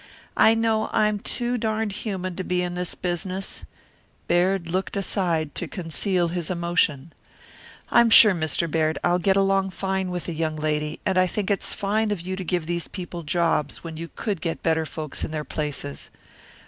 I know I'm too darned human to be in this business " Baird looked aside to conceal his emotion. "I'm sure, Mr. Baird, I'll get along fine with the young lady, and I think it's fine of you to give these people jobs when you could get better folks in their places."